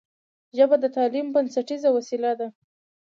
ژبه د تعلیم بنسټیزه وسیله ده